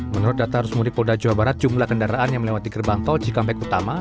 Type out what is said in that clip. menurut data arus mudik polda jawa barat jumlah kendaraan yang melewati gerbang tol cikampek utama